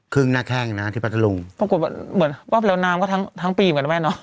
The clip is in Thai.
ครึ่งหน้าแข้งนะฮะที่พระทะลุงปรากฏว่าเหมือนว่าแล้วน้ำก็ทั้งปีเหมือนกันไหมเนาะ